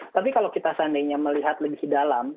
tapi kalau kita seandainya melihat lebih dalam